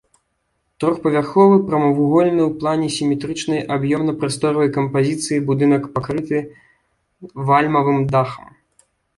Трохпавярховы прамавугольны ў плане сіметрычнай аб'ёмна-прасторавай кампазіцыі будынак пакрыты вальмавым дахам.